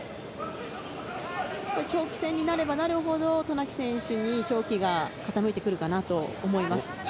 長期戦になればなるほど渡名喜選手に勝機が傾いてくるかなと思います。